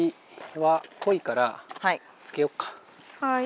はい。